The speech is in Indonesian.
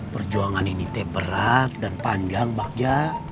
perjuangan ini te berat dan panjang bakja